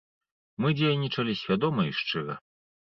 Мы дзейнічалі свядома і шчыра.